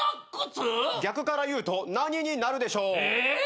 逆から言うと何になるでしょう？え！？